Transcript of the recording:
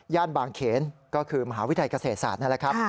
บางเขนก็คือมหาวิทยาลัยเกษตรศาสตร์นั่นแหละครับ